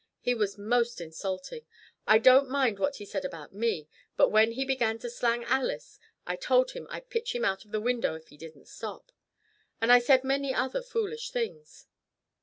He was most insulting. I didn't mind what he said about me, but when he began to slang Alice I told him I'd pitch him out of the window if he didn't stop. And I said many other foolish things."